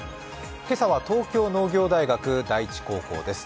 今朝は東京農業大学高校です。